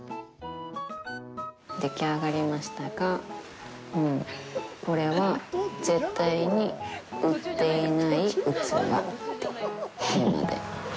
でき上がりましたがもう、これは絶対に売っていない器というテーマで。